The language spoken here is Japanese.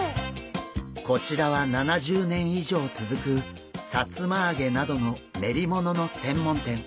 こちらは７０年以上続くさつま揚げなどの練り物の専門店。